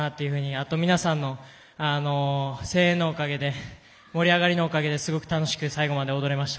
あと皆さんの声援のおかげで盛り上がりのおかげですごく楽しく最後まで踊れました。